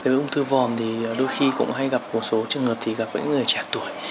đối ung thư vòm thì đôi khi cũng hay gặp một số trường hợp thì gặp những người trẻ tuổi